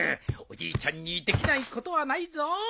おじいちゃんにできないことはないぞ。